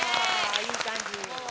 いい感じ。